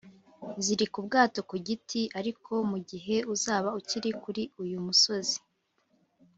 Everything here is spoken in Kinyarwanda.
zirika ubwato ku giti; ariko mu gihe uzaba ukiri kuri uyu musozi